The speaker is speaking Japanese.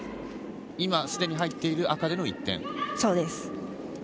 すでに入っている赤で１点。